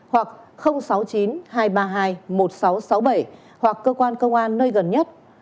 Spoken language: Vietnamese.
hoặc sáu mươi chín hai trăm ba mươi hai một nghìn sáu trăm sáu mươi bảy hoặc cơ quan công an nơi gần nhất